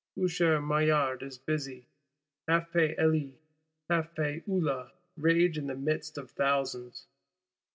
Usher Maillard is busy; half pay Elie, half pay Hulin rage in the midst of thousands.